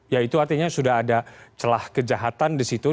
ya itu artinya sudah ada celah kejahatan di situ